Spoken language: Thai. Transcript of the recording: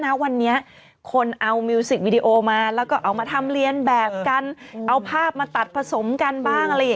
ใช่นี่จำล็อกอิ้นได้หรือเปล่าไม่รู้เลย